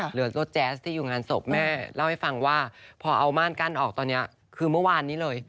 รถแจ๊สที่อยู่งานศพแม่เล่าให้ฟังว่าพอเอาม่านกั้นออกตอนนี้คือเมื่อวานนี้เลย